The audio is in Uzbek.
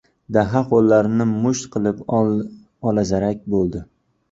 Daho qo‘llarini musht qilib olazarak bo‘ldi.